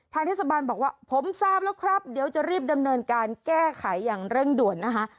เทศบาลบอกว่าผมทราบแล้วครับเดี๋ยวจะรีบดำเนินการแก้ไขอย่างเร่งด่วนนะคะ